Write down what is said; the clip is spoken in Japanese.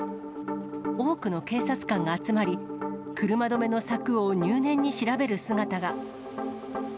多くの警察官が集まり、車止めの柵を入念に調べる姿が。